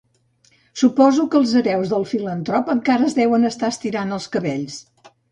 Suposo que els hereus del filantrop encara es deuen estar estirant els cabells.